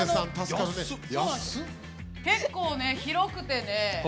結構ね広くてね。